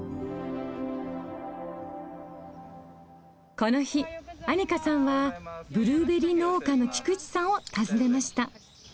この日アニカさんはブルーベリー農家の菊池さんを訪ねました。